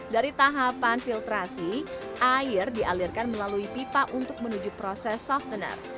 dari tahapan filtrasi air dialirkan melalui pipa untuk menuju proses soft tenner